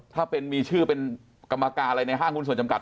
ถ้าเป็นมีชื่อเป็นกรรมการอะไรในห้างหุ้นส่วนจำกัด